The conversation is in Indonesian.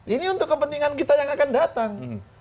ini untuk kepentingan kita yang akan datang